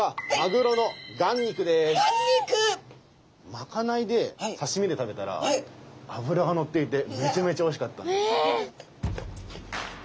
賄いで刺身で食べたら脂が乗っていてめちゃめちゃおいしかったんです。